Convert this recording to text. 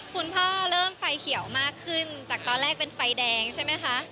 คุณพ่อเริ่มไฟเขียวมากขึ้นจากตอนแรกเป็นไฟแดงใช่ไหมคะ